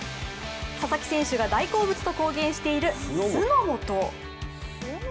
佐々木選手が大好物と公言している、酢の素。